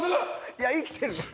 いや生きてるやん。